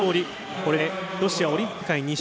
これでロシアオリンピック委員会２勝。